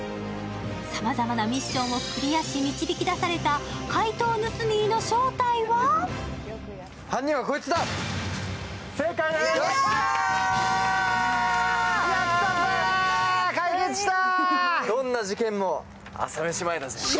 さまざまなミッションをクリアし導き出された怪盗ヌスミーの正体はやった、解決した！